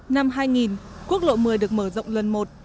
năm hai nghìn quốc lộ một mươi được mở rộng lần một